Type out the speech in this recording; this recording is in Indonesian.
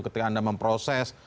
ketika anda memproses